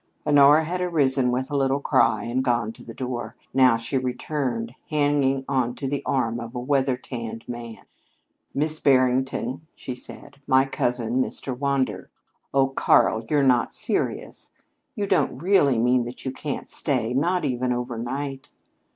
Honora had arisen with a little cry and gone to the door. Now she returned, hanging on to the arm of a weather tanned man. "Miss Barrington," she said, "my cousin, Mr. Wander. Oh, Karl, you're not serious? You don't really mean that you can't stay not even over night?"